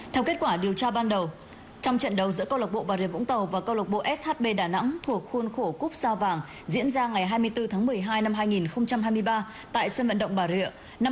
theo kết quả điều tra ban đầu trong trận đấu giữa công an tp bà rê vũng tàu và công an tp shb đà nẵng thuộc khuôn khổ cúp sao vàng diễn ra ngày hai mươi bốn tháng một mươi hai năm hai nghìn hai mươi ba tại sân vận động bà rịa